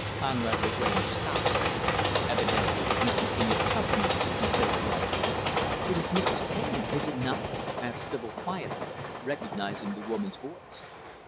Conrad Lagrange stopped. "Evidently, Mr. King has company," he said, dryly. "It is Mrs. Taine, is it not?" asked Sibyl, quietly, recognizing the woman's voice.